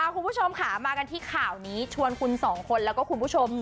คุณผู้ชมค่ะมากันที่ข่าวนี้ชวนคุณสองคนแล้วก็คุณผู้ชม